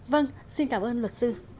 vâng xin cảm ơn lực sư